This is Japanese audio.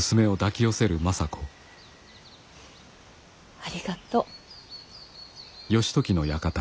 ありがとう。